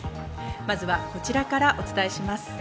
まずは、こちらからお伝えします。